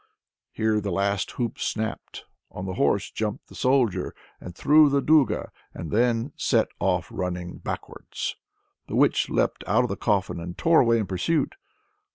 Here the last hoop snapped: on to the horse jumped the Soldier, and through the duga, and then set off running backwards. The witch leapt out of the coffin and tore away in pursuit.